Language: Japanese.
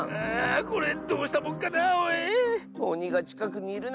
あこれどうしたもんかなあおい。